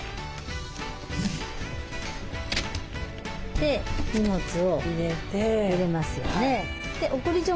で荷物を入れますよね。